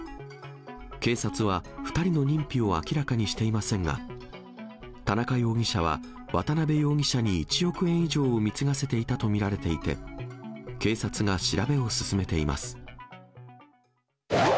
警察は２人の認否を明らかにしていませんが、田中容疑者は、渡辺容疑者に１億円以上を貢がせていたと見られていて、警察が調はい。